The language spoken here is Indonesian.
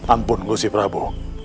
ampun kusti prabu